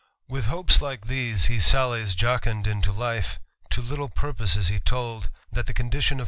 With hopes like these, he sallies jocund jntojife ; to little purpose is he told, that the condition pf.